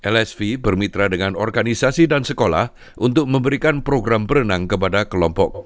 lsv bermitra dengan organisasi dan sekolah untuk memberikan program berenang kepada kelompok